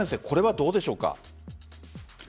これはどうでしょうか？